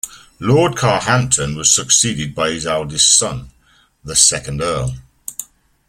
Lord Carhampton was succeeded by his eldest son, the second Earl.